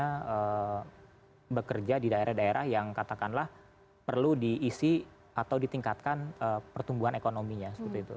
dki jakarta itu bisa bekerja di daerah daerah yang katakanlah perlu diisi atau ditingkatkan pertumbuhan ekonominya seperti itu